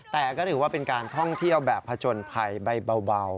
แต่ก็ถือว่าเป็นการท่องเที่ยวแบบผจญภัยใบเบา